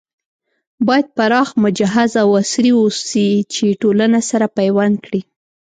بايد پراخ، مجهز او عصري اوسي چې ټولنه سره پيوند کړي